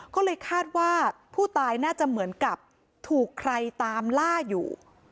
ก็เลยคาดว่าผู้ตายน่าจะเหมือนกับถูกใครตามล่าอยู่